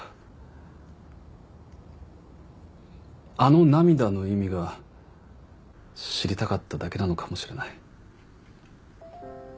あの涙の意味が知りたかっただけなのかもしれない。